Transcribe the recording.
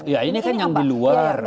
ya ini kan yang di luar